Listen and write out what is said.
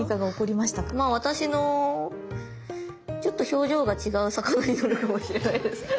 まあ私のちょっと表情が違う魚になるかもしれないです。